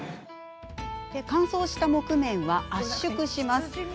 乾燥した木毛は圧縮します。